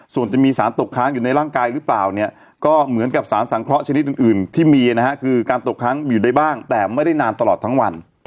ส่วนจะมีสารตกค้างอยู่ในร่างกายหรือเปล่าเนี่ยก็เหมือนกับสารสังเคราะห์ชนิดอื่นที่มีนะฮะคือการตกค้างอยู่ได้บ้างแต่ไม่ได้นานตลอดทั้งวัน